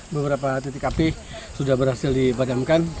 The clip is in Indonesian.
beberapa titik api sudah berhasil dipadamkan